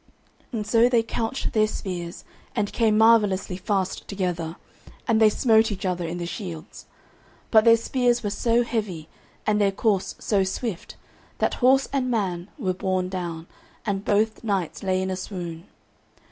And so they couched their spears and came marvellously fast together, and they smote each other in the shields; but their spears were so heavy and their course so swift that horse and man were borne down, and both knights lay in a swoon.